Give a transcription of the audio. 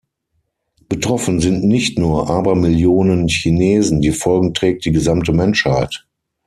Betroffen sind nicht nur Abermillionen Chinesen, die Folgen trägt die gesamte Menschheit.